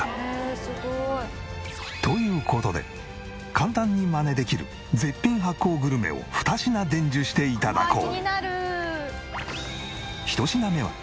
という事で簡単にマネできる絶品発酵グルメを２品伝授して頂こう。